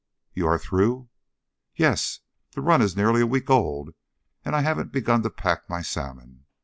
"You are through?" "Yes. The run is nearly a week old, and I haven't begun to pack my salmon.